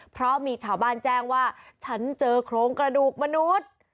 เพราะมีชาวบ้านแจ้งว่าฉันเจอโครงกระดูกมนุษย์